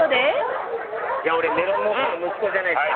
いや俺メロン農家の息子じゃないっすか。